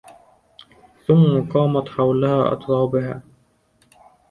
ثم قامت حولها أترابها